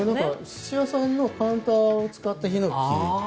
寿司屋さんのカウンターだったヒノキ。